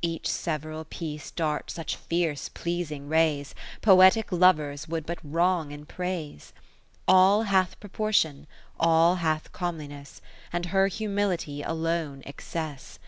Each sev'ral piece darts such fierce pleasing rays, Poetic Lovers would but wrong in praise. All hath proportion, all hath come liness, And her Humility alone excess.